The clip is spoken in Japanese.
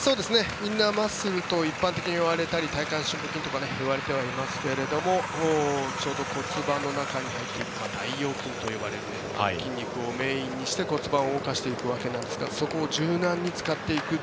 インナーマッスルと一般的に言われたり体幹筋とかいわれていますがちょうど骨盤の中に入っている大腰筋という筋肉をメインにして骨盤を動かしていくわけですがそこを柔軟に使っていく。